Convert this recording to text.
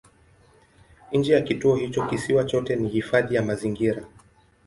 Nje ya kituo hicho kisiwa chote ni hifadhi ya mazingira.